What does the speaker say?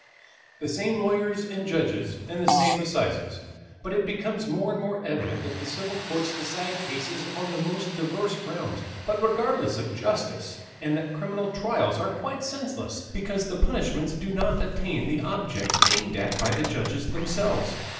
The same lawyers and judges, and the same assizes, but it becomes more and more evident that the civil courts decide cases on the most diverse grounds, but regardless of justice, and that criminal trials are quite senseless, because the punishments do not attain the objects aimed at by the judges themselves.